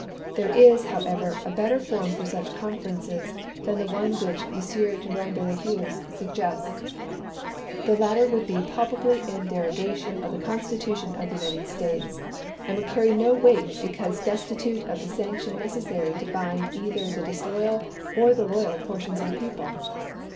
There is, however, a better form for such confer ences than the one which M. Drouyn de I'Huys sug gests. The latter would be palpably in derogation of the Constitution of the United States, and would carry no weight because destitute of the sanction necessary to bind either the disloyal or the loyal portions of the people.